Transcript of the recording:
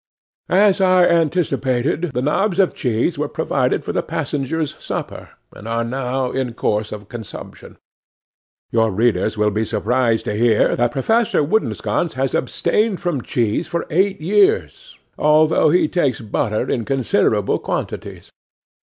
'As I anticipated, the knobs of cheese were provided for the passengers' supper, and are now in course of consumption. Your readers will be surprised to hear that Professor Woodensconce has abstained from cheese for eight years, although he takes butter in considerable quantities.